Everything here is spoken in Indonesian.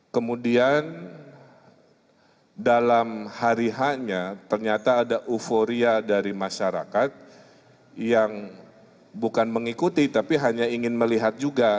kemudian dalam hari hanya ternyata ada euforia dari masyarakat yang bukan mengikuti tapi hanya ingin melihat juga